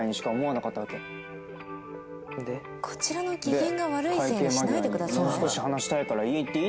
こちらの機嫌が悪いせいにしないでください。